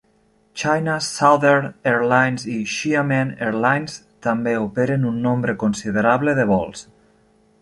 China Southern Airlines i Xiamen Airlines també operen un nombre considerable de vols.